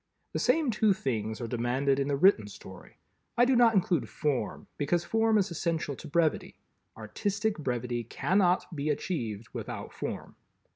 The same two things are demanded in the written story. I do not include Form, because Form is essential to Brevity. Artistic Brevity cannot be achieved without Form.